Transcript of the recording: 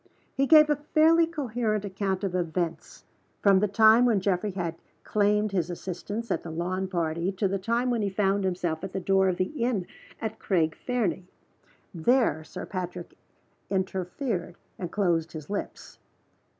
He gave a fairly coherent account of events, from the time when Geoffrey had claimed his assistance at the lawn party to the time when he found himself at the door of the inn at Craig Fernie. There Sir Patrick interfered, and closed his lips.